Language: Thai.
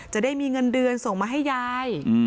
จะได้มีเงินเดือนส่งมาให้ยาย